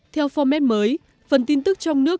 theo format mới phần tin tức trong nước